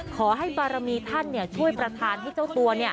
ขอให้บารมีท่านช่วยประธานให้เจ้าตัว